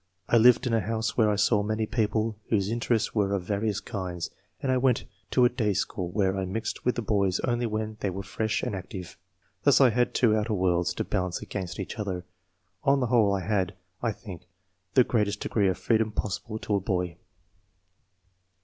I lived in a house where I saw many people whose interests were of various kinds, and I went to a day school where I mixed with the boys only when they were fresh and active. Thus I had two outer worlds to balance against each other. On the whole, I had, I think, the greatest degree of freedom possible to a boy."